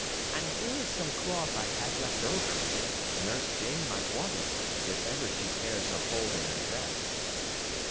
And here is some cloth I had left over. Nurse Jane might want it if ever she tears a hole in her dress."